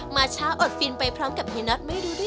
มาเช้าอดฟินไปพร้อมกับเฮียน็อตไม่รู้ด้วย